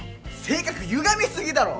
性格ゆがみすぎだろ